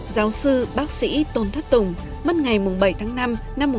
giáo sư bác sĩ tôn thất tùng mất ngày bảy tháng năm năm một nghìn chín trăm bốn mươi